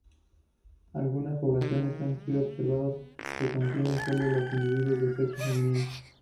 Algunas poblaciones se ha observado que contienen sólo los individuos de sexo femenino.